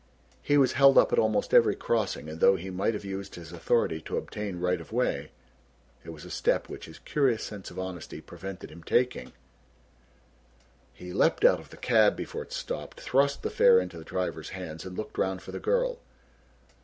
He was held up at almost every crossing and though he might have used his authority to obtain right of way, it was a step which his curious sense of honesty prevented him taking. He leapt out of the cab before it stopped, thrust the fare into the driver's hands and looked round for the girl.